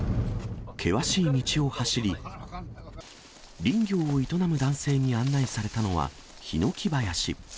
険しい道を走り、林業を営む男性に案内されたのはヒノキ林。